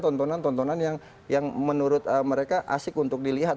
tontonan tontonan yang menurut mereka asik untuk dilihat